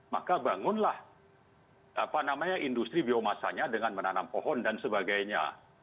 maka bangunlah industri biomasanya dengan menanam pohon dan sebagainya